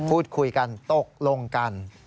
พูดคุยกันตกลงกัน